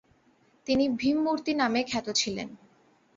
তিনি 'ভীমমূর্তী' নামে খ্যাত ছিলেন।